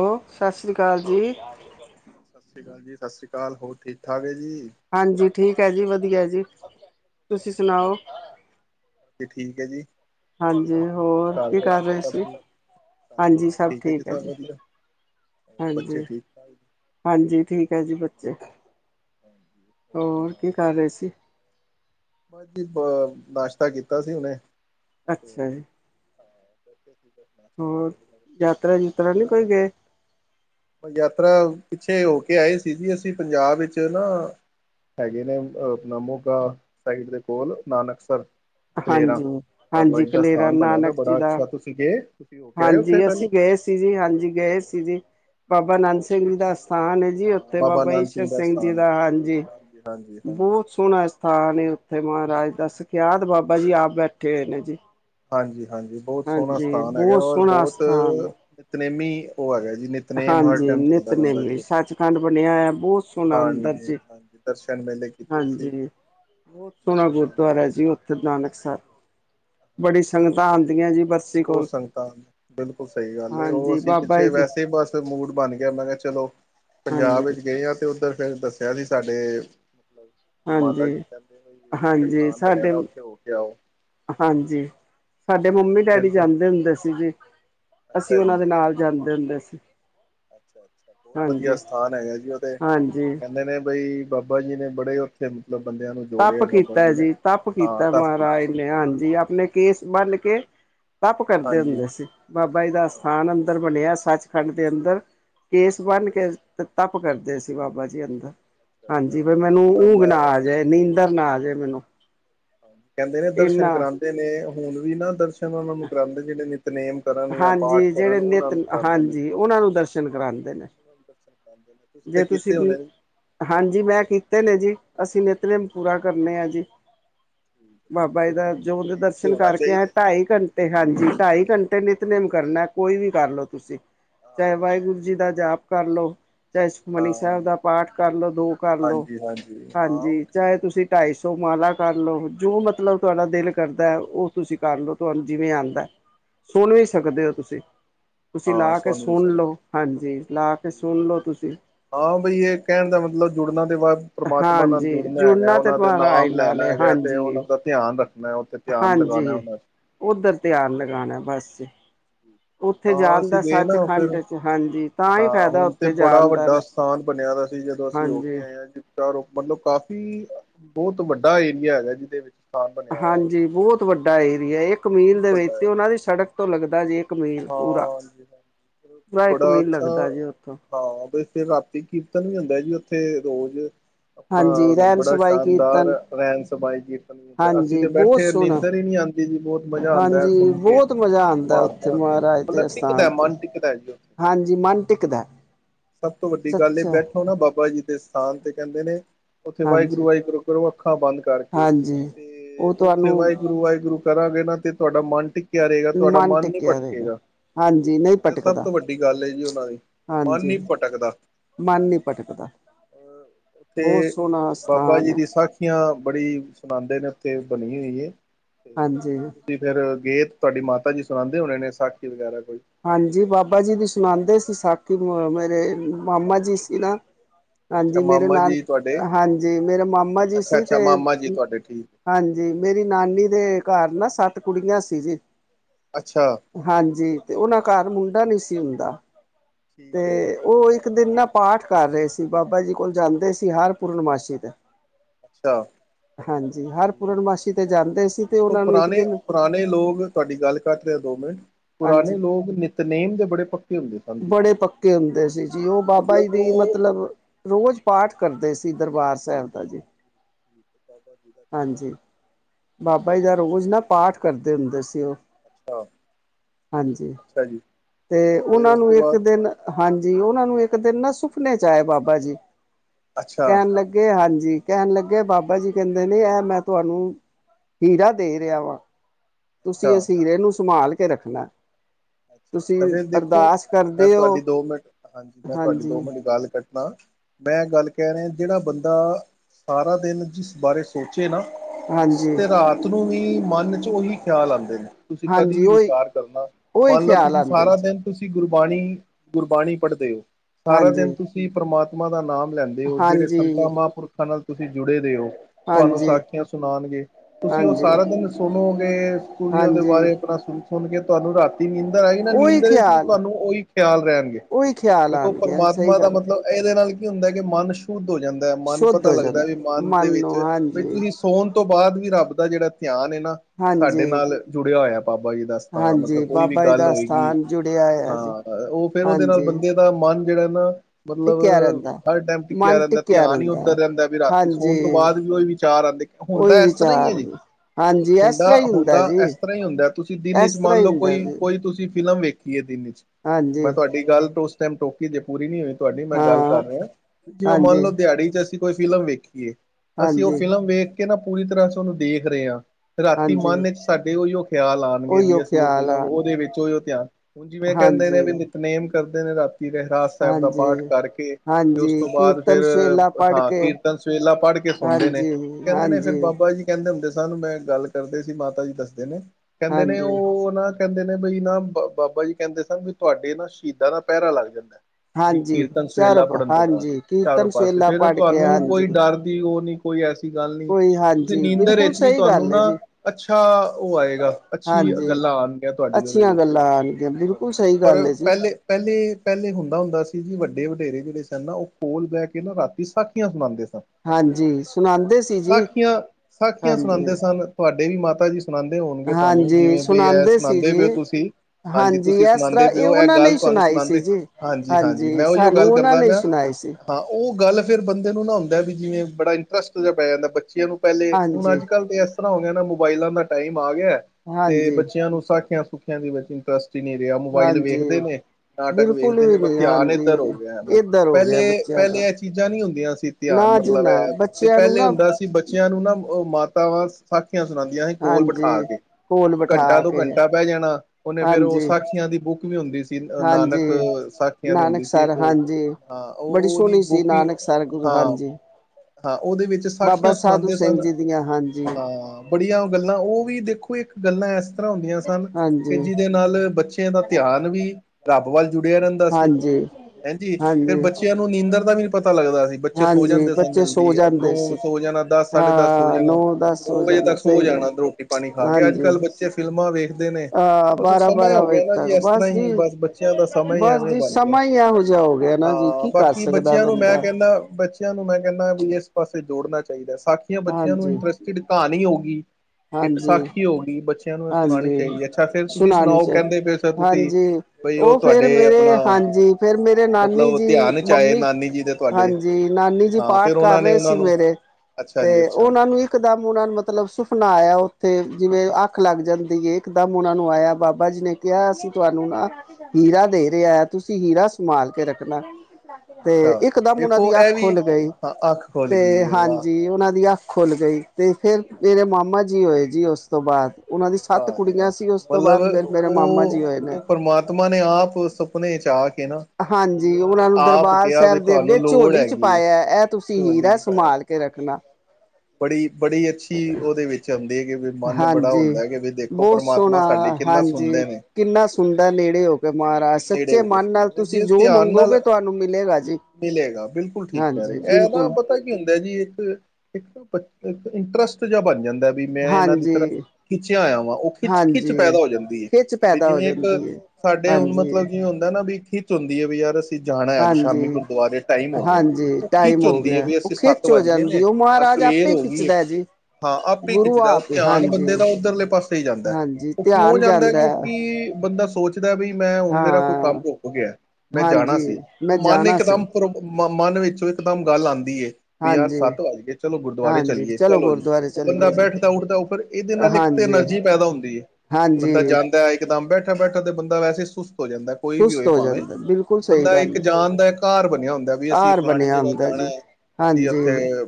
Hello, ਸਤਿ ਸ਼੍ਰੀ ਅਕਾਲ ਜੀ। ਸਤਿ ਸ੍ਰੀ ਅਕਾਲ ਜੀ, ਸਤਿ ਸ੍ਰੀ ਅਕਾਲ, ਹੋਰ ਠੀਕ- ਠਾਕ ਹੈ ਜੀ? ਹਾਂਜੀ, ਠੀਕ ਹੈ ਜੀ, ਵਧੀਆ ਜੀ ਤੁਸੀਂ ਸੁਣਾਓ ਬਾਕੀ ਠੀਕ ਹੈ ਜੀ ਹਾਂਜੀ, ਹੋਰ ਘਰ ਕੀ ਪਰ ਕਰ ਰਹੇ ਸਭ ਸੀ? ਠੀਕ ਘਰ ਹਾਂਜੀ, ਪਰਿਵਾਰ ਸਭ ਠੀਕ ਹੈ ਸਭ ਜੀ ਵਧੀਆ ਹਾਂਜੀ ਬੱਚੇ ਠੀਕ? ਹਾਂਜੀ, ਠੀਕ ਹੈ ਜੀ ਬੱਚੇ, ਹਾਂਜੀ ਹੋਰ ਕੀ ਸੁਣਾਓ ਕਰ ਬਸ ਰਹੇ ਸੀ? ਬਸ ਜੀ ਬ, ਨਾਸ਼ਤਾ ਕੀਤਾ ਸੀ ਹੁਣੇ। ਤੇ ਅੱਛਾ ਜੀ [unintelligible] ਹੋਰ, ਮੈਂ ਕਿਹਾ ਚਲੋ ਯਾਤਰਾ- ਤੁਹਾਡਾ ਯੂਤਰਾ ਫੋਨ ਨਹੀਂ ਕੋਈ ਆਇਆ ਗਏ? ਯਾਤਰਾ, ਪਿੱਛੇ ਹੋ ਕੇ ਆਏ ਸੀ ਜੀ, ਅਸੀਂ ਪੰਜਾਬ ਵਿੱਚ ਨਾ ਹੈਗੇ ਨੇ, ਅ ਆਪਣਾ ਮੋਗਾ, ਸਾਈਡ ਦੇ ਕੋਲ ਨਾਨਕਸਰ ਕਲੇਰਾਂ, ਹਾਂਜੀ ਬਾਬਾ ਹਾਂਜੀ ਜੀ ਦਾ ਕਲੇਰਾ ਸਥਾਨ ਬਣਿਆ ਪਿਆ ਨਾਨਕ ਜੀ ਬੜਾ ਦਾ ਅੱਛਾ, ਤੁਸੀਂ ਗਏ, ਤੁਸੀਂ ਹੋ ਕੇ ਆਏ, ਹਾਂਜੀ ਉੱਥੇ ਅਸੀਂ ਪਹਿਲੇ ਗਏ ਸੀ ਜੀ, ਹਾਂਜੀ ਗਏ ਸੀ ਜੀ, ਬਾਬਾ ਨੰਦ ਸਿੰਘ ਜੀ ਦਾ, ਸਥਾਨ ਹੈ। ਜੀ, ਹਾਂ, ਉੱਥੇ ਬਾਬਾ ਨੰਦ ਈਸ਼ਰ ਸਿੰਘ ਜੀ ਸਥਾਨ ਹੈ। ਦਾ, ਹਾਂਜੀ ਹਾਂਜੀ, ਹਾਂਜੀ। ਬਹੁਤ ਸੋਹਣਾ ਸਥਾਨ ਉੱਥੇ, ਮਹਾਰਾਜ ਜੀ ਦਾ, ਸੁਖਿਆਦ ਬਾਬਾ ਜੀ ਆਪ ਬੈਠੇ ਹੋਏ ਨੇ ਜੀ ਹਾਂਜੀ -ਹਾਂਜੀ, ਬਹੁਤ ਸੋਹਣਾ ਹਾਂਜੀ ਸਥਾਨ ਹੈਗਾ, ਬਹੁਤ ਔਰ ਸੋਹਣਾ ਬਹੁਤ ਸਥਾਨ ਹੈ। ਨਿਤਨੇਮ, ਉਹ ਹੈਗਾ ਜੀ ਨਿਤਨੇਮ ਹਰ ਹਾਂਜੀ, ਟਾਈਮ ਚੱਲਦਾ ਨਿੱਤ ਰਹਿੰਦਾ ਜੀ ਨੇਮੀ, ਉੱਥੇ। ਸੱਚਖੰਡ ਬਣਿਆ ਹੈ ਬਹੁਤ ਸੋਹਣਾ ਅੰਦਰ ਹਾਂਜੀ ਜੀ। -ਹਾਂਜੀ, ਦਰਸ਼ਨ ਮੇਲੇ ਕੀਤੇ ਅਸੀਂ ਹਾਂਜੀ, ਬਹੁਤ ਸੋਹਣਾ ਆਨੰਦ ਗੁਰਦੁਆਰਾ ਆਇਆ। ਹੈ ਜੀ, ਉੱਥੇ ਨਾਨਕਸਰ ਬੜੀ ਹਾਂਜੀ, ਉਹ ਸੰਗਤਾਂ ਤੇ ਆਉਂਦੀਆਂ ਜੀ ਬਰਸੀ ਬਹੁਤ ਕੋਲ ਸੰਗਤਾਂ ਨੇ, ਬਿਲਕੁਲ ਸਹੀ ਗੱਲ ਏ ਉਹ ਹਾਂਜੀ ਅਸੀਂ, ਬਾਬਾ ਪਿੱਛੇ ਜੀ ਦੇ ਵੈਸੇ ਬਸ ਮੂਡ ਬਣ ਗਿਆ, ਮੈਂ ਕਿਹਾ ਚਲੋ, ਪੰਜਾਬ ਹਾਂਜੀ। ਵਿੱਚ ਗਏ ਹਾਂ ਤੇ, ਉੱਧਰ ਫੇਰ ਦੱਸਿਆ ਸੀ, ਸਾਡੇ ਮਤਲਬ ਮਾਤਾ ਹਾਂਜੀ ਜੀ ਕਹਿੰਦੇ, ਉੱਥੇ ਹਾਂਜੀ ਸਥਾਨ ਬਣਿਆ, ਸਾਡੇ ਤਾਂ ਉੱਥੇ ਹੋ ਕੇ ਆਉ ਹਾਂਜੀ ਸਾਡੇ, ਮੰਮੀ ਅਸੀਂ -ਡੈਡੀ ਕਰਕੇ ਜਾਂਦੇ ਹੁੰਦੇ ਸੀ ਜੀ, ਅਸੀਂ ਅੱਛਾ ਜੀ ਉਹਨਾਂ ਦੇ ਨਾਲ ਜਾਂਦੇ, ਹੁੰਦੇ ਸੀ ਅੱਛਾ-ਅੱਛਾ, ਬਹੁਤ ਵਧੀਆ ਹਾਂਜੀ ਸਥਾਨ ਹੈਗਾ ਜੀ, ਉਹਦੇ ਹਾਂਜੀ ਕਹਿੰਦੇ ਨੇ ਬਈ ਬਾਬਾ ਜੀ ਨੇ, ਬੜੇ ਉੱਥੇ ਮਤਲਬ ਬੰਦਿਆਂ ਨੂੰ ਤੱਪ ਜੋੜਿਆ ਬਾਬਾ ਕੀਤਾ ਨੇ ਜੀ, ਤੱਪ ਹਾਂ ਕੀਤਾ ਤਪ ਮਹਾਰਾਜ ਕੀਤਾ ਨੇ ਹਾਂਜੀ, ਆਪਣੇ ਕੇਸ ਬੰਨ ਕੇ, ਤੱਪ ਕਰਦੇ ਹਾਂਜੀ ਹੁੰਦੇ ਸੀ। ਬਾਬਾ ਜੀ ਦਾ, ਹਾਂ, ਅਸਥਾਨ ਅੰਦਰ ਬਣਿਆ, ਸੱਚਖੰਡ ਦੇ ਅੰਦਰ, ਕੇਸ ਬੰਨ੍ਹ ਅੱਛਾ ਜੀ ਕੇ ਤੱਪ ਕਰਦੇ ਸੀ, ਬਾਬਾ ਜੀ ਅੰਦਰ, ਅੱਛਾ ਅੱਛਾ ਹਾਂਜੀ ਵੀ, ਮੈਨੂੰ ਹਾਂ ਪਰ ਉੱਘ ਮੈਂ ਨਾ ਆ ਜਾਏ ਨੀਂਦਰ, ਨਾ ਆ ਜਾਵੇ ਮੈਨੂੰ ਕਹਿੰਦੇ ਨੇ, ਦਰਸ਼ਨ ਇਨਾ ਕਰਾਉਂਦੇ ਨੇ, ਹੁਣ ਵੀ ਨਾ ਦਰਸ਼ਨ ਉਹਨਾਂ ਨੂੰ ਕਰਾਉਂਦੇ, ਜਿਹੜੇ ਨਿਤਨੇਮ ਕਰਨ ਯਾ, ਪਾਠ ਹਾਂਜੀ ਕਰਨ, ਜਿਹੜੇ ਉਹਨਾਂ ਨਿਤ ਨੂੰ ਕਰਦੇ ਨੇ ਹਾਂਜੀ ਉਹਨਾਂ ਨੂੰ, ਦਰਸ਼ਨ ਕਰਾਉਂਦੇ ਨੇ ਹੁਣ ਦਰਸ਼ਨ ਕਦ ਦੇਨੇ। ਜੇ ਤੁਸੀਂ, ਹਾਂਜੀ ਮੈਂ ਕੀਤੇ ਨੇ ਜੀ, ਅਸੀਂ ਨਿਤਨੇਮ ਅੱਛਾ, ਪੂਰਾ ਕਰਨੇ ਹਾਂ ਜੀ। ਠੀਕ ਹੈ ਠੀਕ ਬਾਬਾ ਹੈ ਜੀ ਨਹੀਂ ਦਾ, ਨਹੀਂ ਜਦੋ ਦੇ ਨਿਤਨੇਮ ਤੇ ਦਰਸ਼ਨ ਹੋਣਾ ਕਰਕੇ ਆਏ ਹਾਂ, ਚਾਹੀਦਾ ਢਾਈ ਘੰਟੇ ਤੇ, ਹਾਂਜੀ ਢਾਈ ਘੰਟੇ ਨਿਤਨੇਮ ਕਰਨਾ, ਕੋਈ ਵੀ ਕਰ ਲਉ ਤੁਸੀਂ ਚਾਹੇ, ਹਾਂ ਵਾਹਿਗੁਰੂ ਜੀ ਉਹੀਓ, ਦਾ ਜਾਪ ਕਰ ਲਉ। ਚਾਹੇ ਸੁਖਮਨੀ ਸਾਹਿਬ ਹਾਂ ਦਾ ਪਾਠ ਕਰਲੋ, ਦੋ ਕਰਲੋ, ਹਾਂਜੀ ਹਾਂਜੀ ਹਾਂ ਉਹ ਹਾਂਜੀ, ਠੀਕ ਚਾਹੇ ਹੈ ਨਾ ਤੁਸੀਂ ਢਾਈ-ਸੋ ਮਾਲਾ ਕਰ ਲਉ, ਜੋ ਮਤਲਬ ਤੁਹਾਡਾ ਦਿਲ ਠੀਕ ਹੈ ਕਰਦਾ ਉਹ ਤੁਸੀਂ ਕਰਲੋ, ਤੁਹਾਨੂੰ ਜਿਵੇਂ ਆਂਦਾ ਸੁਨ ਵੀ ਸਕਦੇ ਅੱਛਾ ਹੋ ਤੁਸੀਂ, ਤੁਸੀਂ ਹਾਂ ਲਾਕੇ ਸੋਨੀ ਸੁਣ ਸਰ ਲਓ। ਹਾਂਜੀ, ਲਾਕੇ ਠੀਕ ਹੈ। ਸੁਣਲੋ ਤੁਸ ਹਾਂ ਬਈ ਇਹ ਕਹਿਣ ਦਾ ਮਤਲਬ ਜੁੜਨਾ ਦੇ ਬਸ, ਪਰਮਾਤਮਾ ਨਾਲ ਹਾਂਜੀ ਜੁੜਨਾ ਹੈਗਾ, ਤੇ ਉਹਨਾਂ ਦੇ ਨਾਮ ਮਹਾਰਾਜ ਨਾਲ ਲੈਣਾ ਹੈ ਹੈਗਾ ਤੇ, ਉਹਨਾਂ ਹਾਂਜੀ ਦਾ ਧਿਆਨ ਰੱਖਣਾ। ਧਿਆਨ ਲਗਾਉਣਾ ਹਾਂਜੀ। ਉਹਨਾਂ ਉਧਰ ਠੀਕ ਹੈ ਧਿਆਨ ਲਗਾਣਾ ਬਸ, ਜ ਹਾਂ, ਅਸੀਂ ਗਏ ਨਾ ਫਿਰ, ਚ ਹਾਂਜੀ ਤਾਂ ਹੀ ਹਾਂ, ਫਾਇਦਾ ਹੁਣ ਤੇ ਉੱਥੇ ਬੜਾ ਜਾਣ ਦਾ ਵੱਡਾ ਸਥਾਨ ਬਣਿਆਦਾ ਸੀ, ਜਦੋਂ ਅਸੀਂ ਹਾਂਜੀ ਹੋਕੇ ਆਏ ਹਾਂ ਇੱਥੇ। ਉੱਪਰ, ਕਾਫ਼ੀ ਬਹੁਤ ਵੱਡਾ ਏਰੀਆ ਹੈਗਾ ਜਿਹਦੇ ਵਿੱਚ ਸਥਾਨ ਬਣਿਆ ਹੋਇਆ ਹਾਂਜੀ, ਬਹੁਤ ਵੱਡਾ ਏਰੀਆ ਬਹੁਤ ਇੱਕ-ਮੀਲ ਦੇ ਵੱਡਾ ਹੈ ਵਿੱਚ, ਉਹਨਾਂ ਦੀ ਸ਼ੜਕ ਤੋਂ ਲੱਗਦਾ ਜੇ ਕੇ ਮੀਲ ਪੂਰਾ, ਹਾਂਜੀ ਹਾਂਜੀ ਪੂਰਾ ਬੜਾ ਇੱਕ-ਮੀਲ ਅੱਛਾ ਲੱਗਦਾ ਜੇ ਉੱਥੋਂ। ਹਾਂ, ਤੇ ਫਿਰ ਰਾਤੀ ਕੀਰਤਨ ਵੀ ਹੁੰਦਾ ਜੀ ਉੱਥੇ ਰੋਜ਼। ਅਪਣਾ ਹਾਂਜੀ ਰਹਿਣ ਬੜਾ ਸਬਾਈ ਸ਼ਾਨਦਾਰ ਕੀਰਤਨ ਰੈਣ ਸਬਾਈ ਕੀਰਤਨ ਹੁੰਦਾ, ਅਸੀਂ ਹਾਂਜੀ ਤੇ ਬਹੁਤ ਬੈਠੇ ਸੋਹਣਾ ਨੀੰਦਰ ਹੀ ਨੀ ਆਉਂਦੇ ਹਾਂਜੀ, ਬਹੁਤ ਮਜ਼ਾ ਆਂਦਾ ਉੱਥੇ ਪਰਮਾਤਮਾ ਮਹਾਰਾਜ ਦੇ ਮਤਲਬ ਟਿਕਦਾ ਅਸਥਾਨ ਤੇ, ਮਨ ਟਿਕਦਾ ਜੀ ਉੱਥੇ ਹਾਂਜੀ ਮਨ ਟਿਕਦਾ। ਸਭ ਤੋਂ ਵੱਡੀ ਗੱਲ ਏ, ਸੱਚਾ ਬੈਠੋ ਨਾ ਬਾਬਾ ਜੀ ਦੇ ਸਥਾਨ ਤੇ ਕਹਿੰਦੇ ਨੇ ਉੱਥੇ ਹਾਂਜੀ ਵਾਹਿਗੁਰੂ-ਵਾਹਿਗੁਰੂ ਕਰੋ ਅੱਖਾਂ ਬੰਦ ਕਰਕੇ, ਹਾਂਜੀ ਤੇ ਉਹ ਉੱਥੇ ਤੁਹਾਨੂੰ ਵਾਹਿਗੁਰੂ-ਵਾਹਿਗੁਰੂ ਕਰਾਂਗੇ ਨਾ ਤੇ ਤੁਹਾਡਾ ਮਨ ਟਿੱਕਿਆ ਰਹੇਗਾ, ਤੁਹਾਡਾ ਮਨ ਨਹੀ ਟਿਕਿਆ ਰਹੇਗਾ ਭਟਕੇਗਾ। ਹਾਂਜੀ ਨਹੀਂ ਇਹ ਸਭ ਭਟਕਦਾ ਤੋਂ ਵੱਡੀ ਗੱਲ ਐ ਜੀ ਉਹਨਾਂ ਦੀ, ਮਾਨਲੀ ਹਾਂਜੀ ਭਟਕਦਾ ਮਨ ਨਹੀਂ ਭਟਕਦਾ ਬਹੁਤ ਅ--ਤੇ ਸੋਹਣਾ ਬਾਬਾ ਸਥਾਨ ਜੀ ਹੈ ਦੀ ਸਾ ਖੀਆਂ, ਬੜੀ ਸੁਣਾਂਦੇ ਨੇ ਉੱਥੇ, ਬਣੀ ਹੋਈਏ। ਹਾਂਜੀ। ਤੁਸੀਂ ਫੇਰ ਗਏ, ਤੁਹਾਡੀ ਮਾਤਾ ਜੀ ਸੁਣਾਉਂਦੇ ਹੋਣੇ ਨੇ ਸਾਖੀ ਵਗੈਰਾ ਕੋਈ? ਹਾਂਜੀ, ਬਾਬਾ ਜੀ ਦੀ ਸੁਣਾਉਂਦੇ ਸੀ ਸਾਖੀ, ਮੇਰੇ ਮਾਮਾ ਜੀ ਸੀ ਨਾ ਅੱਛਾ ਹਾਂਜੀ, ਮੇਰੇ ਮਾਮਾ ਨਾਲ, ਜੀ ਤੁਹਾਡੇ ਹਾਂਜੀ। ਮੇਰੇ ਮਾਮਾਜੀ ਅੱਛਾ ਸੀ, ਅੱਛਾ ਤੇ ਮਾਮਾ ਜੀ ਤੁਹਾਡੇ ਠੀਕ ਹੈ, ਹਾਂਜੀ, ਮੇਰੀ ਨਾਨੀ ਦੇ ਘਰ ਨਾ ਸੱਤ ਕੁੜੀਆਂ ਸੀ ਜੇ ਅੱਛਾ ਹਾਂਜੀ, ਤੇ ਠੀਕ ਉਹਨਾਂ ਹੈ ਘਰ ਮੁੰਡਾ ਨੀ ਸੀ ਹੁੰਦਾ ਠੀਕ ਹੈ ਤੇ, ਉਹ ਇੱਕ ਇੱਕ ਦਿਨ ਨਾਂ ਪਾਠ ਕਰ ਰਹੇ ਸੀ, ਬਾਬਾ ਜੀ ਕੋਲ ਜਾਂਦੇ ਸੀ ਹਰ ਪੂਰਨਮਾਸ਼ੀ ਤੇ। ਅੱਛਾ ਹਾਂਜੀ, ਹਰ ਠੀਕ ਹੈ ਪੂਰਨਮਾਸ਼ੀ ਤੇ ਜਾਂਦੇ ਸੀ, ਤੇ ਦੇਖੋ ਉਹਨਾਂ ਨੂੰ ਇੱਕ ਪੁਰਾਣੇ ਦਿਨ ਪੁਰਾਣੇ ਲੋਕ ਤੁਹਾਡੀ ਗੱਲ ਕਢ ਰਹੇ ਆ ਦੋ ਮਿੰਟ, ਹਾਂਜੀ ਪੁਰਾਣੇ ਲੋਕ ਨਿਤਨੇਮ ਦੇ ਬੜੇ ਪੱ ਬੜੇ ਪੱਕੇ ਹੁੰਦੇ ਸੀ ਜੀ, ਉਹ ਬਾਬਾ ਮਤਲਬ ਜੀ ਦੀ ਉਹ ਮਤਲਬ ਰੋਜ਼ ਪਾਠ ਕਰਦੇ ਸੀ, ਦਰਬਾਰ ਸਾਹਿਬ ਠੀਕ ਦਾ ਜੇ। ਹੈ, ਠੀਕ ਹੈ, ਠੀਕ ਬਾਬਾ ਜੀ ਦਾ [inaudible] ਬਾਬਾ ਜੀ ਅੱਛਾ ਦਾ ਰੋਜ਼ ਫੇਰ ਨਾ ਪਾਠ ਕਰਦੇ ਹੁੰਦੇ ਸੀ ਉਹ, ਅੱਛਾ ਹਾਂਜੀ। ਅੱਛਾ ਜੀ। ਤੇ, ਫੇਰ ਉਹਨਾਂ ਉਸ ਨੂੰ ਤੋਂ ਇੱਕ ਬਾਅਦ ਦਿਨ ਹਾਂਜੀ, ਉਹਨਾਂ ਨੂੰ ਇੱਕ ਦਿਨ ਨਾ ਸੁਪਨੇ ਵਿਚ ਆਏ ਬਾਬਾ ਜੀ। ਅੱਛਾ ਕਹਿਣ ਲੱ ਹਾਂਜੀ, ਕਹਿਣ ਲੱਗੇ ਬਾਬਾ ਜੀ ਕਹਿੰਦੇ ਨੇ, ਐ, ਮੈਂ ਤੁਹਾਨੂੰ ਹੀਰਾ ਦੇ ਰਿਹਾ ਵਾਂ। ਤੁਸੀਂ ਅੱਛਾ ਇਸ ਹੀਰੇ ਨੂੰ ਸੰਭਾਲਕੇ ਰੱਖਣਾ। ਤੁਸੀਂ ਤਦੇ ਦੇਖੋ, ਅਰਦਾਸ ਮੈਂ ਕਰਦੇ ਹੋ ਤੁਹਾਡੀ ਦੋ-ਮਿੰਟ, ਹਾਂਜੀ, ਮੈਂ ਤੁਹਾਡੀ ਦੋ ਮਿੰਟ ਗਲ ਕੱ ਮੈਂ ਗੱਲ ਕਹਿ ਰਿਹਾਂ, ਜਿਹੜਾ ਬੰਦਾ ਸਾਰਾ ਦਿਨ ਇਸ ਬਾਰੇ ਸੋਚੇ ਨਾ ਹਾਂਜੀ ਉਸਦੇ ਰਾਤ ਨੂੰ ਵੀ ਮਨ'ਚ ਉਹੀ ਖਿਆਲ ਆਂਦੇ ਨੇ, ਤੁਸੀਂ ਕਦੇ ਹਾਂਜੀ ਵੀ ਉਹੀ ਵਿਚਾਰ ਕਰਨਾ ਉਹੀ ਮੰਨ ਲਓ ਖਿਆਲ ਤੁਸੀਂ ਆਉਂਦੇ ਸਾਰਾ ਜੀ ਦਿਨ ਤੁਸੀਂ ਗੁਰਬਾਣੀ, ਗੁਰਬਾਣੀ ਪੜ੍ਹਦੇ ਓ, ਸਾਰਾ ਦਿਨ ਹਾਂਜੀ ਤੁਸੀਂ ਪਰਮਾਤਮਾ ਦਾ ਨਾਮ ਲੈਂਦੇ ਉਹ ਜਿਹੜੇ ਸੰਤਾਂ, ਹਾਂਜੀ, ਮਹਾਂਪੁਰਖਾਂ ਨਾਲ ਤੁਸੀਂ ਜੁੜੇਦੇ ਹੋ, ਤੁਹਾਨੂੰ ਹਾਂਜੀ, ਸਾਖੀਆਂ ਸੁਣਾਉਣਗੇ ਤੁਸੀਂ ਉਹ ਹਾਂਜੀ, ਸਾਰਾ ਦਿਨ ਸੁਣੋਗੇ, ਤੁਸੀਂ ਉਹਦੇ ਹਾਂਜੀ ਬਾਰੇ ਆਪਣਾ ਸੁਣ-ਸੁਣਕੇ ਤੁਹਾਨੂੰ ਰਾਤੀ ਨੀਂਦਰ ਆਈ ਨਾ, ਉਹੀ ਨੀਂਦਰ'ਚ ਵੀ ਖਿਆਲ ਤੁਹਾਨੂੰ ਉਹੀ ਖਿਆਲ ਰਹਿਣਗੇ, ਉਹੀ ਖਿਆਲ ਦੇਖੋ ਆਣ ਗਿਆ ਸਹੀ ਪਰਮਾਤਮਾ ਦਾ ਗੱਲ ਹੈ ਮਤਲਬ ਇਹਦੇ ਨਾਲ ਕੀ ਹੁੰਦਾ ਕਿ ਮਨ ਸ਼ੁੱਧ ਹੋ ਜਾਂਦਾ ਹੈ ਮਨ ਸ਼ੁੱਧ ਪਤਾ ਹੋ ਲੱਗਦਾ ਵੀ ਜਾਂਦਾ ਮਨ ਦੇ ਨੂੰ ਵਿੱਚ ਵੀ ਹਾਂਜੀ, ਤੁਸੀਂ ਸੋਣ ਤੋਂ ਬਾਅਦ ਵੀ ਰੱਬ ਦਾ ਜਿਹੜਾ ਧਿਆਨ ਹੈ ਨਾ ਸਾਡੇ ਹਾਂਜੀ, ਨਾਲ ਜੁੜਿਆ ਹੋਇਆ ਬਾਬਾ ਜੀ ਦਾ। ਹਾਂਜੀ। ਬਾਬਾ ਜੀ ਦਾ ਅਥਾਨ ਜੁੜਿਆ ਹਾਂ ਹੋਇਆ ਉਹ ਫੇਰ ਉਹਦੇ ਨਾਲ ਹਾਂਜੀ। ਬੰਦੇ ਦਾ ਮਨ ਜਿਹੜਾ ਨਾ ਮਤਲਬ ਟਿਕਿਆ ਰਹਿੰਦਾ ਹਰ ਟਾਈਮ ਟਿਕਿਆ ਰਹਿੰਦਾ ਧਿਆਨ ਹੀ ਉੱਧਰ ਰਹਿੰਦਾ ਵੀ ਰਾਤੀ ਸੋਣ ਹਾਂਜੀ ਤੋਂ ਬਾਅਦ ਵੀ ਉਹੀ ਵਿਚਾਰ ਆਉਂਦੇ। ਉਹੀ ਹੁੰਦਾ ਇਸ ਤਰ੍ਹਾਂ ਹੀ ਵਿਚਾਰ ਏ। ਹਾਂਜੀ ਇਸ ਹੁੰਦਾ ਤਰ੍ਹਾਂ ਹੀ ਹੁੰਦਾ ਜੀ ਇਸ ਤਰ੍ਹਾਂ ਹੀ ਹੁੰਦਾ ਤੁਸੀਂ ਦਿਨ ਚ ਇਸ ਤਰ੍ਹਾਂ ਮੰਨ ਹੀ ਲਓ ਹੁੰਦਾ ਕੋਈ ਜੀ ਕੋਈ। ਤੇ ਤੁਸੀ ਫਿਲਮ ਵੇਖੀ ਹੇ ਇਦੀ। ਹਾਂਜੀ ਮੈਂ ਤੁਹਾਡੀ ਗੱਲ ਉਸ ਟਾਈਮ ਟੋਕ ਜੇ ਪੂਰੀ ਨੀ ਹੋਈ ਤੁਹਾਡੀ। ਮੈਂ ਗੱਲ ਹਾਂ ਕਰ ਰਿਹਾ ਜਿਵੇਂ ਮੰਨ ਹਾਂਜੀ, ਲਓ ਦਿਹਾੜੀ ਤੇ ਅਸੀਂ ਕੋਈ ਫਿਲਮ ਵੇਖੀਏ। ਅਸੀਂ ਉਹ ਹਾਂਜੀ, ਫ਼ਿਲਮ ਵੇਖ ਕੇ ਨਾ ਪੂਰੀ ਤਰ੍ਹਾਂ ਅਸੀਂ ਉਹਨੂੰ ਦੇਖ ਰਹੇ ਹਾਂ। ਰਾਤੀ ਹਾਂਜੀ ਮਨ ਵਿੱਚ ਸਾਡੇ ਉਹੀਓ ਖਿਆਲ ਆਉਣਗੇ ਨੋ ਉਹੀਓ ਵੀ ਅਸੀਂ ਉਹ ਖਿਆਲ ਮਤਲਬ ਆਣਗੇ ਉਹਦੇ ਵਿੱਚੋ ਹੀ ਉਹ ਧਿਆਨ ਹੁਣ ਜਿਵੇਂ ਕਹਿੰਦੇ ਨੇ ਵੀ ਹਾਂਜੀ, ਨਿਤਨੇਮ ਕਰਦੇ ਨੇ ਰਾਤੀ ਕਿ ਰਹਿਰਾਜ ਸਾਹਿਬ ਦਾ ਪਾਠ ਹਾਂਜੀ। ਕਰਕੇ ਤੇ ਉਸ ਹਾਂਜੀ, ਤੋਂ ਬਾਅਦ ਕੀਰਤਨ ਫਿਰ ਸਵੇਲਾ ਪੜ੍ਹ ਹਾਂ ਕੇ ਕੀਰਤਨ ਤੇ ਸਵੇਲਾ ਪੜ੍ਹ ਕੇ ਸੌਦੇ ਨੇ ਹਾਂਜੀ, ਕਹਿੰਦੇ ਨੇ ਫਿਰ ਹਾਂਜੀ। ਬਾਬਾ ਜੀ ਕਹਿੰਦੇ ਹੁੰਦੇ ਸਾਨੂੰ ਮੈਂ ਗੱਲ ਕਰਦੇ ਸੀ ਮਾਤਾ ਜੀ ਦੱਸਦੇ ਨੇ ਕਹਿੰਦੇ ਨੇ ਹਾਂਜੀ, ਉਹ ਨਾਂ ਕਹਿੰਦੇ ਨੇ ਬਈ ਨਾ, ਬਾਬਾ ਜੀ ਕਹਿੰਦੇ ਸਨ ਵੀ ਤੁਹਾਡੇ ਨਾ ਸ਼ਹੀਦਾਂ ਦਾ ਪਹਿਰਾ ਲੱਗ ਜਾਂਦੈ। ਦੀ ਹਾਂਜੀ ਕੀਰਤਨ ਚਾਰੋ ਸਹੋਲਾ ਪੜ੍ਹਨ ਤੋਂ ਬਾਅਦ ਹਾਂਜੀ ਚਾਰੋਂ ਕੀਰਤਨ ਪਾਸੇ ਸਵੇਲਾ ਫਿਰ ਪੜ੍ਹ ਕੇ ਤੁਹਾਨੂੰ ਹਾਂਜੀ। ਕੋਈ ਡਰ ਨੀ ਉਹ ਨਹੀਂ। ਕੋਈ ਐਸੀ ਗੱਲ ਨਹੀਂ। ਕੋਈ ਤੁਸੀਂ ਹਾਂਜੀ ਨੀਂਦਰ ਬਿਲਕੁਲ ਵਿੱਚ ਵੀ ਸਹੀ ਤੁਹਾਨੂੰ ਗੱਲ ਹੈ ਨਾ ਜੀ। ਅੱਛਾ ਉਹ ਆਏਗਾ ਅੱਛੀ ਹਾਂਜੀ, ਗੱਲਾਂ ਆਉਣ ਗੀਆ। ਤੁਹਾਡੀ ਉਹਦੇ ਅੱਛੀਆਂ ਵਿੱਚ ਗੱਲਾਂ ਆਣਗੀਆਂ ਹ ਬਿਲਕੁਲ ਸਹੀ ਪਰ ਗੱਲ ਹੈ ਜੀ। ਪਹਿਲੇ ਪਹਿਲੇ ਪਹਿਲੇ ਹੁੰਦਾ ਹੁੰਦਾ ਸੀ ਕੀ ਵੱਡੇ ਵਡੇਰੇ ਜਿਹੜੇ ਸਨ ਨਾ ਉਹ ਕੋਲ ਬਹਿ ਕੇ ਨਾ ਰਾਤੀ ਸਾਖੀਆਂ ਸੁਣਾਉਂਦੇ ਸਨ। ਹਾਂਜੀ, ਸੁਣਾਦੇ ਸੀ ਜੀ ਸਾਖੀਆਂ ਸਾਖੀਆਂ ਸੁਣਾਉਂਦੇ ਹਾਂਜੀ। ਸਨ। ਤੁਹਾਡੇ ਵੀ ਮਾਤਾ ਜੀ ਸੁਣਾਉਂਦੇ ਹੋਣਗੇ ਪਾਵੇਂ ਤੁਹਾਨੂੰ ਹਾਂਜੀ, ਜਿਵੇਂ ਵੀ ਇਹ ਸੁਣਾਦੇ ਸੀ ਸੁਣਾਉਂਦੇ ਜੀ। ਪਏ ਹੋ ਤੁਸੀਂ। ਹਾਂਜੀ ਤੁਸੀਂ ਇਸ ਸੁਣਾਉਂਦੇ ਤਰ੍ਹਾਂ ਪਏ ਹੋ। ਇਹ ਉਹਨਾਂ ਨੇ ਗੱਲ ਹੀ ਤੁਹਾਨੂੰ ਸੁਣਾਈ ਸੀ ਸੁਣਾਉਦੇ ਜੀ। ਹਾਂਜੀ। ਹਾਂਜੀ। ਮੈਂ ਉਹੀਓ ਗੱਲ ਸਾਨੂੰ ਉਹਨਾਂ ਕਰਦਾ ਨੇ ਪਿਆ ਸੁਣਾਈ ਸੀ ਹਾਂ ਉਹ ਗੱਲ ਫਿਰ ਬੰਦੇ ਨੂੰ ਨਾ ਹੁੰਦਾ ਵੀ ਜਿਵੇਂ ਬੜਾ ਇੰਟਰਸਟ ਜਿਹਾ ਪੈ ਜਾਂਦਾ ਬੱਚਿਆਂ ਨੂੰ ਪਹਿਲੇ, ਹੁਣ ਹਾਂਜੀ। ਅੱਜ ਕੱਲ ਤੇ ਇਸ ਤਰ੍ਹਾਂ ਹੋ ਗਿਆ ਨਾ ਮੋਬਾਇਲਾਂ ਦਾ ਟਾਈਮ ਆ ਗਿਆ ਤੇ ਹਾਂਜੀ ਬੱਚਿਆਂ ਨੂੰ ਸਾਖੀਆਂ ਸੁੱਖੀਆਂ ਦੇ ਵਿੱਚ ਇੰਟਰਸਟ ਨਹੀ ਰਿਹਾ ਮੋਬਾਈਲ ਹਾਂਜੀ ਵੇਖਦੇ ਨੇ ਨਾਟਕ ਬਿਲਕੁਲ ਵੇਖਦੇ ਨੇ ਵੀ ਬਸ ਨਹੀਂ ਧਿਆਨ ਇੱਧਰ ਹੋ ਹਾਂਜੀ ਗਿਆ ਏਧਰ ਹੋ ਗਿਆ ਪਹਿਲੇ। ਬੱਚਿਆਂ ਪਹਿਲੇ ਦਾ ਇਹ ਚੀਜ਼ਾਂ ਨੀ ਹੁੰਦੀਆਂ ਸੀ ਧਿਆਨ ਨਾ ਜੀ ਮਤਲਬ ਨਾ ਇਹ ਤੇ ਬੱਚਿਆਂ ਨੂੰ ਪਹਿਲੇ ਨਾ ਹੁੰਦਾ ਸੀ। ਕੀ ਬੱਚਿਆਂ ਨੂੰ ਨਾ ਉਹ ਮਾਤਾਵਾਂ ਸਾਖੀਆਂ ਸੁਣਾਉਂਦੀਆਂ ਸੀ ਕੋਲ ਬਿਠਾ ਹਾਂਜੀ ਕੇ ਕੋਲ ਬਿਠਾ ਘੰਟਾ ਦੋ ਕੇ ਘੰਟਾ। ਬਹਿ ਜਾਣਾ ਉਹਨੇ ਫੇਿਰ ਉਹ ਹਾਂਜੀ ਸਾਖੀਆਂ ਦੀ ਬੁੱਕ ਵੀ ਹੁੰਦੀ ਸੀ ਨਾਨਕ ਹਾਂਜੀ ਸਾਖੀ। ਦੇ ਹੁੰਦੇ ਸੀ ਨਾਨਕਸਰ ਉਹ ਹਾਂਜੀ ਹਾਂ ਉਹ ਬੜੀ ਉਹਦੀ ਸੋਹਣੀ ਸੀ ਬੁੱਕ ਨਾਨਕਸਰ ਗੁਰੂ ਹਾਂ। ਹਾਂਜੀ ਹਾਂ ਉਹਦੇ ਵਿੱਚ ਬਾਬਾ ਸਾਖੀਆਂ ਸਾਧੂ ਸੁਣਾਉਂਦੇ ਸਿੰਘ ਸਨ ਜੀ ਦੀਆਂ ਹਾਂਜੀ ਹਾਂ। ਬੜੀਆਂ ਗੱਲਾਂ ਉਹ ਵੀ ਦੇਖੋ ਇੱਕ ਗੱਲਾਂ ਇਸ ਤਰ੍ਹਾਂ ਹੁੰਦੀਆਂ ਸਨ ਹਾਂਜੀ ਕਿ ਜਿਹਦੇ ਨਾਲ ਬ ਬੱਚਿਆਂ ਦਾ ਧਿਆਨ ਵੀ ਰੱਬ ਵੱਲ ਜੁੜਿਆ ਰਹਿੰਦਾ ਸੀ। ਹਾਂਜੀ ਹਂਜੀ, ਫੇਰ ਹਾਂਜੀ ਬੱਚਿਆਂ ਨੂੰ ਨੀਂਦਰ ਦਾ ਵੀ ਨਹੀ ਪਤਾ ਲੱਗਦਾ ਸੀ। ਬੱਚੇ ਸੋ ਹਾਂਜੀ ਜਾਂਦੇ ਸਨ ਬੱਚੇ ਸੋ ਜਲਦੀ ਨੌ ਜਾਂਦੇ ਸੀ ਸੋ ਜਾਣਾ ਦਸ ਸਾਢੇ ਦਸ ਹੋ ਹਾਂ ਜਾਣਾ ਦਸ ਹੋ ਨੌ ਵਜੇ ਜਾਣਾ ਤੱਕ ਹੋ ਸਹੀ ਗੱਲ ਜਾਣਾ ਰੋਟੀ ਪਾਣੀ ਖਾ ਕੇ ਅੱਜ ਕੱਲ ਹਾਂਜੀ ਬੱਚੇ ਫਿਲਮਾਂ ਵੇਖਦੇ ਨੇ ਅ ਬਸ ਉਹ ਬਾਰਾਂ ਸਮੇਾਂ ਬਾਰਾਂ ਹੋ ਵਜੇ ਗਿਆ ਨਾ ਜੀ, ਤੱਕ ਇਸ ਤਰ੍ਹਾਂ ਹੀ ਜੀ ਬਸ ਬੱਚਿਆਂ ਦਾ ਸਮਾਂ ਹੀ ਐਵੇਂ ਜੀ ਬਸ ਸਮਾਂ ਹੀ ਇਹੋ ਜਿਹਾ ਹੋ ਗਿਆ ਨਾ ਜੀ ਹਾਂ ਕੀ ਕਰ ਬਾਕੀ ਸਕਦਾ ਬੱਚਿਆਂ ਨੂੰ ਮੈਂ ਬੰਦਾ ਕਹਿੰਦਾ ਬਚ ਬੱਚਿਆਂ ਨੂੰ ਮੈਂ ਕਹਿੰਦਾ ਵੀ ਇਸ ਪਾਸੇ ਜੋੜਨਾ ਚਾਹੀਦਾ ਸਾਖੀਆਂ ਬੱਚਿਆਂ ਨੂੰ ਹਾਂਜੀ ਇੰਟਰਸਟਿਡ ਕਹਾਣੀ ਹੋਗੀ। ਇਕ ਹਾਂਜੀ ਸ਼ਾਖੀ ਹੋ ਗਈ ਬੱਚਿਆਂ ਨੂੰ ਮ ਸੁਣਾਉਣੀ ਹਾਂਜੀ ਚਾਹੀਦੀ ਅੱਛਾ ਫੇਰ ਤੁਸੀਂ ਸੁਣਾਣੀ ਸੁਣਾਓ ਚਾਹੀ ਕਹਿੰਦੇ ਪਏ ਸਰ ਤੁਸੀਂ ਹਾਂਜੀ। ਬਈ ਉਹ ਫੇਿਰ ਤੁਹਾਡੇ ਮੇਰੇ ਆਪਣਾ ਹਾਂਜੀ, ਫੇਰ ਮੇਰੇ ਮਤਲਬ ਨਾਨੀ ਉਹ ਜੀ ਧਿਆਨ ਚ ਆਏ ਮੰਮੀ। ਨਾਨੀ ਜੀ ਦੇ ਤੁਹਾਡੇ ਹਾਂਜੀ, ਨਾਨੀ ਜੀ ਹਾਂ ਪਾਠ ਫਿਰ ਉਹਨਾਂ ਕਰ ਨੇ ਰਹੇ ਉਹਨਾਂ ਸੀ ਨੂੰ ਮੇਰੇ ਅੱਛਾ ਤੇ ਜੀ ਅੱਛਾ ਉਹਨਾਂ ਨੂੰ ਇੱਕ ਉਂਹਾਨੂੰ ਨਾ ਮਤਲਬ ਸੀ। ਸੁਪਣਾ ਆਇਆ ਉੱਥੇ ਜਿਵੇਂ ਅੱਖ ਲੱਗ ਜਾਂਦੀ ਏ ਇਕ ਦਮ, ਉਹਨਾਂ ਨੂੰ ਆਇਆ ਬਾਬਾ ਜੀ ਨੇ ਕਿਹਾ ਅਸੀਂ ਤੁਹਾਨੂੰ ਨਾ ਹੀਰਾ ਦੇ ਰਿਹਾ ਹੈ। ਤੁਸੀਂ ਹੀਰਾ ਸੰਭਾਲ ਕੇ ਰੱਖਣਾ। ਤੇ ਅੱਛਾ ਇਕ ਦਮ ਉਹਨਾਂ ਦੇਖੋ ਦੀ ਅੱਖ ਇਹ ਵੀ ਖੁੱਲ ਗਈ ਹਾਂ ਅੱਖ ਖੁੱਲ ਤੇ ਗਈ ਆ ਵਾਹ ਹਾਂਜੀ ਉਹਨਾਂ ਦੀ ਅੱਖ ਖੁੱਲ੍ਹ ਗਈ ਅਤੇ ਫਿਰ ਮੇਰੇ ਮਾਮਾ ਜੀ ਹੋਏ ਜੀ ਉਸ ਤੋਂ ਬਾਅਦ। ਉਹਨਾਂ ਦੀ ਸੱਤ ਵਾਹ ਜੀ ਕੁੜੀਆਂ ਵਾਹ ਸੀ ਉਸ ਤੋਂ ਬਾਅਦ ਮੇਰੇ ਮਾਮਾ ਜੀ ਹੋਏ ਨੇ। ਤੁਮਾ ਨੇ ਆਪ ਸੁਪਨੇ ਚ ਆ ਕੇ ਨਾ ਵੀ ਹਾਂਜੀ, ਉਹਨਾਂ ਨੇ ਨੂੰ ਆਪ ਦਰਬਾਰ ਕਿਹਾ ਵੀ ਸਾਹਿਬ ਦੇ ਤੁਹਾਨੂੰ ਅੱਗੇ ਲੋੜ ਝੋਲੀ ਚ ਹੈਗੀ ਹੈ ਪਾਇਆ, ਇਹ ਤੁਸੀਂ ਝੋਲੀ ਹੀਰਾ ਚ ਪਾਇਆ ਸੰਭਾਲ ਕੇ ਰੱਖਣਾ। ਬੜੀ- ਬੜੀ ਅੱਛੀ ਉਹਦੇ ਵਿੱਚ ਆਂਦੀ ਐ, ਕਿ ਮਨ ਬੜਾ ਹੁੰ ਬਹੁ ਸੋਹਣਾ ਹਾਂਜੀ, ਸੁਣਦੇ ਨੇ ਕਿੰਨਾ ਸੁਣਦਾ ਨੇੜੇ ਹੋ ਕੇ ਮਹਾਰਾਜ, ਨੇੜੇ ਸੱਚੇ ਹੋ ਕੇ ਮਨ ਨਾਲ ਸੁਣਦੇ ਨੇ ਤੁਸੀਂ ਜਿਸ ਜੋ ਧਿਆਨ ਨਾਲ ਮੰਗੋਗੇ, ਤੁਹਾਨੂੰ ਮਿਲੇਗਾ ਜੀ। ਮਿਲੇਗਾ, ਬਿਲਕੁਲ ਠੀਕ ਕਹਿ ਰਹੇ, ਹਾਂਜੀ ਇਹ ਨਾ ਬਿਲਕੁਲ ਬਟ ਪਤਾ ਕੀ ਹੁੰਦਾ ਜੀ, ਇੱਕ ਇੱਕ ਇੰਟਰਸਟ ਜਿਹਾ ਬਣ ਜਾਂਦਾ ਵੀ, ਮੈਂ ਇਹਨਾਂ ਦੀ ਤਰਫ ਹਾਂਜੀ ਖਿੱਚਿਆ ਹੋਇਆ ਵਾ, ਉਹ ਖਿੱਚ-ਖਿੱਚ ਹਾਂਜੀ, ਪੈਦਾ ਹੋ ਜਾਂਦੀ ਐ, ਖਿੱਚ ਵੀ ਪੈਦਾ ਹੋ ਜਿਵੇਂ ਇੱਕ ਜਾਂਦੀ ਏ। ਸਾਡੇ ਹੁਣ ਹਾਂਜੀ, ਮਤਲਬ ਕੀ ਹੁੰਦਾ ਨਾ ਵੀ ਖਿੱਚ ਹੁੰਦੀ ਐ ਵੀ ਯਾਰ, ਅਸੀਂ ਜਾਣਾ ਅੱਜ ਸ਼ਾਮੀ ਹਾਂਜੀ। ਗੁਰਦਆਰੇ ਟਾਈਮ ਹੋ ਗਿਆ, ਹਾਂਜੀ, ਉਹ ਖਿੱਚ ਟਾਈਮ ਹੋ ਹੁੰਦੀ ਐ, ਗਿਆ। ਵੀ ਉਹ ਅਸੀਂ ਸੱਤ ਖਿੱਚ ਹੋ ਵਜ ਗਏ ਨੇ। ਜਾਂਦੀ, ਉਹ ਅਹ ਮਹਾਰਾਜ ਸਵੇਰ ਆਪੇ ਹੋ ਗਈ ਏ, ਖਿੱਚਦਾ ਜੀ। ਆਪੇ ਗੁਰੂ ਖਿੱਚਦਾ ਉਹ ਆਪ ਧਿਆਨ ਹਾਂਜੀ, ਬੰਦੇ ਦਾ। ਉੱਧਰਲੇ ਪਾਸੇ ਹੀ ਜਾਂਦਾ, ਹਾਂਜੀ ਉਹ ਕਿਉਂ ਧਿਆਨ ਜਾਂਦਾ, ਕਿਉਂਕਿ ਬੰਦਾ ਸੋਚ ਵੀ ਮੈਂ ਹੁਣ ਮੇਰਾ ਕੋਈ ਕੰਮ ਹਾਂ। ਰੁਕ ਗਿਆ, ਮੈਂ ਜਾਣਾ ਹਾਂਜੀ, ਸੀ, ਮੈਂ ਉਹ ਮਨ ਜਾਣਾ ਸੀ। ਇੱਕਦਮ ਉਪਰੋਂ ਮ ਮਨ ਵਿੱਚੋਂ ਇਕਦਮ ਗੱਲ ਆਂਦੀ ਏ। ਯਾਰ ਹਾਂਜੀ, ਸੱਤ ਵੱਜ ਗਏ, ਚਲੋ ਗੁਰਦੁਆਰੇ ਹਾਂਜੀ ਚਲੀਏ ਚਲੋ ਜੀ, ਗੁਰਦੁਆਰੇ ਉਹ ਬੰਦਾ ਚਲੀਏ ਜੀ। ਬੈਠਦਾ ਉੱਠਦਾ, ਉਹ ਫਿਰ ਇਹਦੇ ਨਾਲ ਇੱਕ ਤੇ ਹਾਂਜੀ, ਐਨਰਜੀ ਪੈਦਾ ਹੁੰਦੀ ਏ, ਬੰਦਾ ਹਾਂਜੀ ਜਾਂਦਾ ਇਕਦਮ ਬੈਠਾ- ਬੈਠਾ ਤੇ ਬੰਦਾ ਵੈਸੇ ਸੁਸਤ ਹੋ ਜਾਂਦਾ ਕੋਈ ਵੀ ਸੁਸਤ ਹੋਏ ਹੋ ਭਾਵੇਂ, ਜਾਂਦਾ ਬਿਲਕੁਲ ਸਹੀ ਬੰਦਾ ਗੱਲ ਇੱਕ ਏ। ਜਾਣ ਦਾ ਅਕਾਰ ਬਣਿਆ ਹੁੰਦਾ, ਵੀ ਅਸੀਂ ਆਰ ਫਲਾਣੀ ਬਣਿਆ ਜਗ੍ਹਾ ਹੁੰਦਾ ਜੀ, ਜਾਣਾ। ਅਸੀਂ ਹਾਂਜੀ, ਉੱਥੇ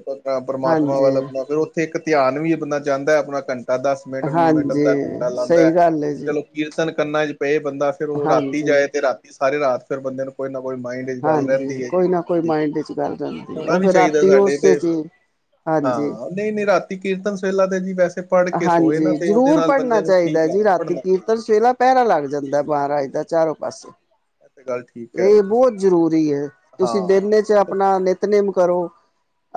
ਪਰਮਾਤਮਾ ਵੱਲ ਹਾਂਜੀ। ਆਪਣਾ, ਫਿਰ ਉ ਇੱਕ ਧਿਆਨ ਵੀ ਬੰਦਾ ਜਾਂਦਾ, ਆਪਣਾ ਘੰਟਾ, ਦਸ ਮਿੰਟ, ਵੀਹ ਮਿੰਟ, ਹਾਂਜੀ ਅੱਧਾ ਘੰਟਾ ਲਾਂਦਾ ਸਹੀ ਗੱਲ ਹੈ ਤੇ ਜੀ ਚਲੋ। ਕੀਰਤਨ ਕੰਨਾਂ ਚ ਪਏ, ਬੰਦਾ ਫੇਰ ਉਹ ਰਾਤੀ ਹਾਂਜੀ ਜਾਏ, ਤੇ ਰਾਤੀ ਸਾਰੀ ਰਾਤ ਫੇਰ ਬੰਦੇ ਨੂੰ ਕੋਈ ਨਾ ਕੋਈ ਮਾਇੰਡ ਚ ਗੱਲ ਹਾਂਜੀ, ਰਹਿੰਦੀ ਹੈ ਕੋਈ ਨਾ ਕੀਰਤਨ ਕੋਈ ਦੀ ਮਾਇੰਡ ਚ ਗੱਲ ਤੇ ਜਾਂਦੀ, ਹੋਣਾ ਉਹ ਵੀ ਫੇਰ ਚਾਹੀਦਾ ਰਾਤੀ ਸਾਡੇ ਉਸੇ ਤੇ ਚ ਹੀ ਹਾਂਜੀ। ਹਾਂ ਨਹੀਂ- ਨਹੀਂ, ਰਾਤੀ ਕੀਰਤਨ ਸਵੇਲਾ ਤੇ ਨੀ, ਵੈਸੇ ਪੜ ਹਾਂਜੀ, ਜ਼ਰੂਰ ਪੜ੍ਹਨਾ ਚਾਹੀਦਾ ਜੀ, ਰਹਿਣਾ ਰਾਤੀ ਪੜ੍ਹਨਾ ਚਾਹੀਦਾ। ਕੀਰਤਨ ਸੋਹਲਾ। ਪਹਿਰਾ ਲੱਗ ਜਾਂਦਾ ਸਹੀ ਮਹਾਰਾਜ ਗੱਲ ਦਾ, ਚਾਰੋਂ ਪਾਸੋਂ। ਇਹ ਤੇ ਗਲਤ ਇਹ ਬਹੁਤ ਜ਼ਰੂਰੀ ਏ, ਤੁਸੀਂ ਹਾਂ ਦਿਨ ਚ ਚਲੋ ਆਪਣਾ ਨਿਤਨੇਮ ਕਰੋ।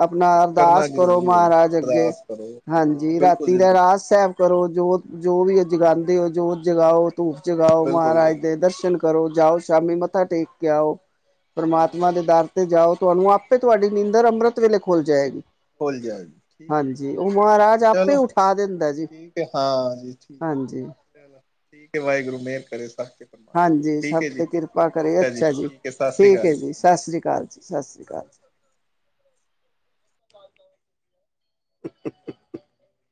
ਆਪਨਾ ਹਾਂ ਕਰਨਾ ਅਰਦਾਸ ਕਰੋ ਜ਼ਰੂਰੀ ਹੈ ਮਹਾਰਾਜ ਅੱਗੇ, ਅਰਦਾਸ ਕਰੋ ਹਾਂ ਹਾਂਜੀ ਬਿਲਕੁਲ ਰਾਤੀ ਜੀ ਬਿਲਕੁਲ ਰਹਿਰਾਸ ਸਹਬ ਕਰੋ, ਜੋਤ ਜੋ ਵੀ ਜਗਾਂਦੇ ਹੋ ਜੋਤ ਜਗਾਓ, ਹਾਂ ਧੂਫ ਜਗਾਓ, ਬਿਲਕੁਲ ਜੀ, ਮਹਾਰਾਜ ਦੇ ਦਰਸ਼ਨ ਕਰੋ ਜਾਓ, ਸ਼ਾਮੀ ਮੱਥਾ ਟੇਕ ਕੇ ਆਓ, ਨਹੀਂ ਨਹੀਂ ਪਰਮਾਤਮਾ ਦੇ ਠੀਕ ਹੈ ਦਰ ਜੀ ਤੇ ਜਾਓ, ਤੁਹਾਨੂੰ ਆਪ ਆਪੇ ਤੁਹਾਡੀ ਨੀਂਦਰ ਅੰਮ੍ਰਿਤ ਵੇਲੇ ਖੁੱਲ ਜਾਏਗੀ। ਖੁੱਲ ਜਾਏਗੀ ਠੀਕ ਹੈ ਜੀ ਹਾਂਜੀ, ਉਹ ਮਹਾਰਾਜ ਆਪੇ ਚਲੋ ਉਠਾ ਦਿੰਦਾ ਜੀ, ਠੀਕ ਹੈ ਹਾਂ ਜੀ ਠੀਕ ਹੈ ਹਾਂਜੀ। ਚਲੋ ਠੀਕ ਏ, ਵਾਹਿਗੁਰੂ ਮੇਹਰ ਕਰੇ ਸਬ ਤੇ। ਪਰਮਾਤਮਾ ਹਾਂਜੀ, ਠੀਕ ਸਭ ਹੈ ਜੀ ਤੇ ਕਿਰਪਾ ਕਰੇ, ਅੱਛਾ ਜੀ ਹੈ ਸਤਿ ਸ਼੍ਰੀ ਠੀਕ ਏ ਅਕਾਲ ਜੀ, ਸਸ਼ ਰੀ ਕਾਲ ਜੀ, ਸਸ ਰੀ ਕਾਲ। [inaudible] [unintelligible]